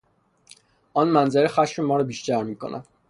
آن منظره خشم ما را بیشتر میکند.